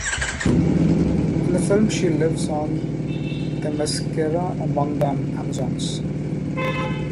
In the film she lives on Themyscira among the Amazons.